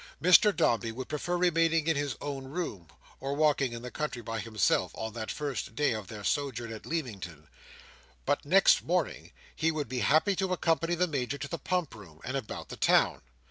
Mr Dombey would prefer remaining in his own room, or walking in the country by himself, on that first day of their sojourn at Leamington; but next morning he would be happy to accompany the Major to the Pump room, and about the town.